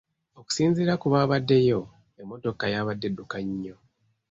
Okusinziira ku baabaddewo, emmotoka yabadde edduka nnyo.